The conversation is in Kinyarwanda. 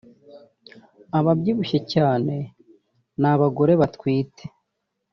ababyibushye cyane n’abagore batwite